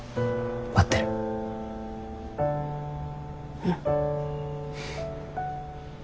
うん。